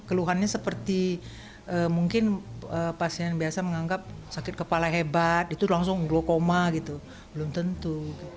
keluhannya seperti mungkin pasien biasa menganggap sakit kepala hebat itu langsung glukoma gitu belum tentu